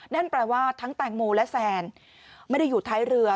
นั่นแปลว่าทั้งแตงโมและแซนไม่ได้อยู่ท้ายเรือ